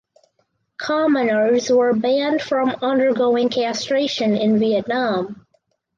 Commoners were banned from undergoing castration in Vietnam.